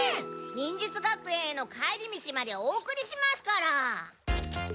忍術学園への帰り道までお送りしますから。